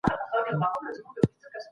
مفسرین د اسلامي ټولني لارښوونکي دي.